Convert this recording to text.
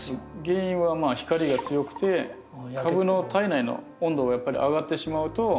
原因はまあ光が強くて株の体内の温度がやっぱり上がってしまうと。